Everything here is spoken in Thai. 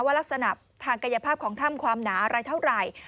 ลักษณะทางกายภาพของถ้ำความหนาอะไรเท่าไหร่